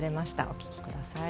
お聴きください。